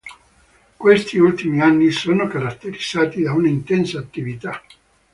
Questi ultimi anni sono caratterizzati da un'intensa attività.